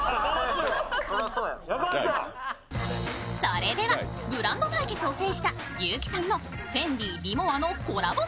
それでは、ブランド対決を制した優木さんのフェンディー×リモワのコラボ